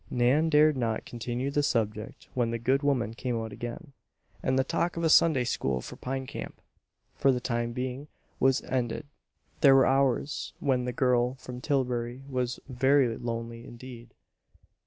Nan dared not continue the subject when the good woman came out again, and the talk of a Sunday School for Pine Camp, for the time being, was ended. There were hours when the girl from Tillbury was very lonely indeed.